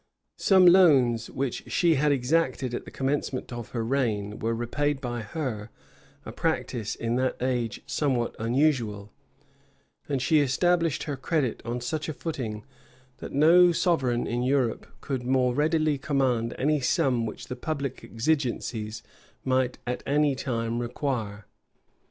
[] Some loans, which she had exacted at the commencement of her reign, were repaid by her; a practice in that age somewhat unusual;[] and she established her credit on such a footing, that no sovereign in Europe could more readily command any sum which the public exigencies might at any time require.